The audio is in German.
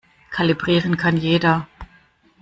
Kalibrieren kann jeder.